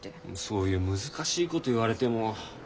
そういう難しいこと言われても。